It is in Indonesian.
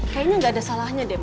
kayaknya gak ada salahnya